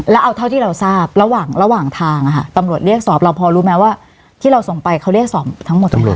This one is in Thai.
แล้วเอาเท่าที่เราทราบระหว่างระหว่างทางตำรวจเรียกสอบเราพอรู้ไหมว่าที่เราส่งไปเขาเรียกสอบทั้งหมดไหมคะ